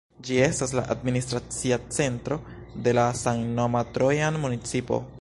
Ĝi estas la administracia centro de la samnoma Trojan Municipo.